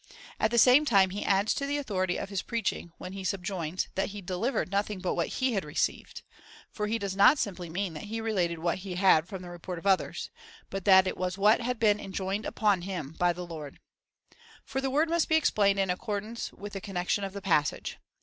At the same time he adds to the authority of his preaching, when he subjoins, that he delivered nothing but what he had received, for he does not simply mean that he related what he had from the report of others, but that it was what had been enjoined upon him by the Lord.^ For the word^ must be explained in accordance with the con nection of the passage.